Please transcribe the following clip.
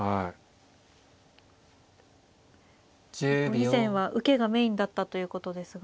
以前は受けがメインだったということですが。